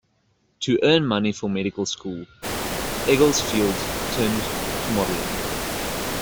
To earn money for medical school, Egglesfield turned to modeling.